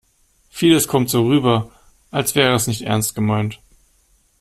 Vieles kommt so rüber, als wäre es nicht ernst gemeint.